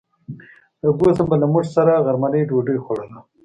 فرګوسن به له موږ سره غرمنۍ ډوډۍ خوړله.